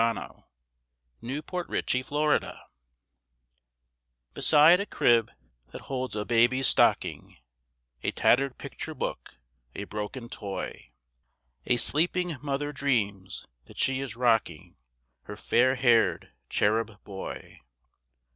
AN EMPTY CRIB Beside a crib that holds a baby's stocking, A tattered picture book, a broken toy, A sleeping mother dreams that she is rocking Her fair haired cherub boy.